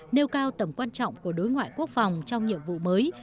nêu cao tầm quan trọng của đối ngoại quốc phòng trong nhiệm vụ mới